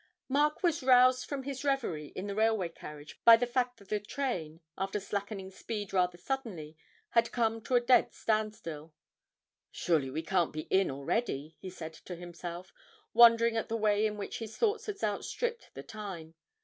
Mark was roused from his reverie in the railway carriage by the fact that the train, after slackening speed rather suddenly, had come to a dead standstill. 'Surely we can't be in already,' he said to himself, wondering at the way in which his thoughts had outstripped the time.